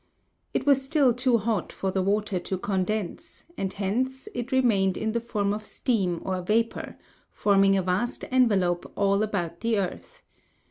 It was still too hot for the water to condense and hence it remained in the form of steam or vapor, forming a vast envelope all about the earth.